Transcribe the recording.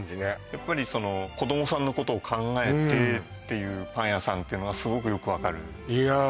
やっぱりその子どもさんのことを考えてっていうパン屋さんってのがすごくよく分かるいやあ